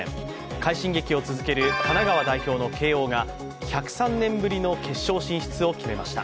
快進撃を続ける神奈川代表の慶応が１０３年ぶりの決勝進出を決めました。